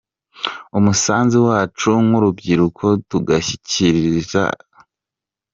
Umusanzu wacu nk’urubyiruko, tugashishikariza.